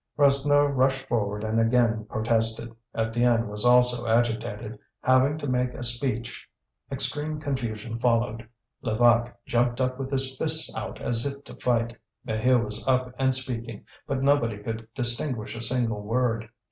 Rasseneur rushed forward and again protested. Étienne was also agitated; having to make a speech. Extreme confusion followed. Levaque jumped up with his fists out, as if to fight. Maheu was up and speaking, but nobody could distinguish a single word.